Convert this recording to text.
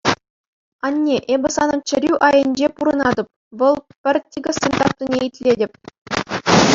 Анне, эпӗ санӑн чӗрӳ айӗнче пурӑнатӑп, вӑл пӗр тикӗссӗн тапнине итлетӗп.